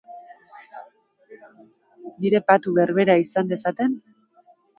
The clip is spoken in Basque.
Nire patu berbera izan dezaten?